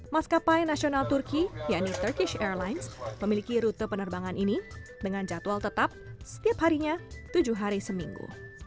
maskapai nasional turki yakni turkish airlines memiliki rute penerbangan ini dengan jadwal tetap setiap harinya tujuh hari seminggu